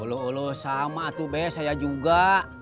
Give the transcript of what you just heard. oloh sama tuh saya juga